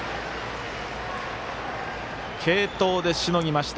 継投でしのぎました。